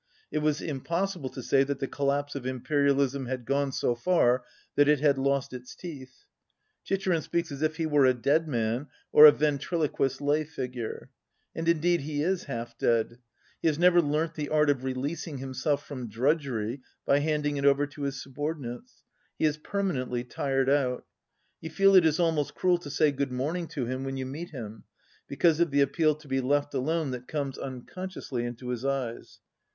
It was impossible to say that the collapse of Imperialism had gone so far that it had lost its teeth. Chicherin speaks as if he were a dead man or a ventriloquist's lay fig ure. And indeed he is half dead. He has never learnt the art of releasing himself from drudgery by handing it over to his subordinates. He is per manently tired out. You feel it is almost cruel to say "Good morning" to him when you meet him, because of the appeal to be left alone that comes unconsciously into his eyes.